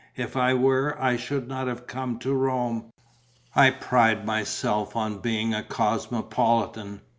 If I were, I should not have come to Rome. I pride myself on being a cosmopolitan.